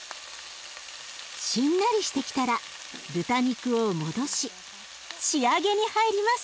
しんなりしてきたら豚肉を戻し仕上げに入ります。